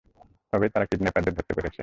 তবেই তারা কিডন্যাপারদের ধরতে পেরেছে।